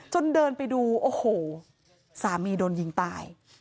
เดินไปดูโอ้โหสามีโดนยิงตาย